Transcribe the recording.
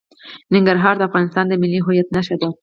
ننګرهار د افغانستان د ملي هویت نښه ده.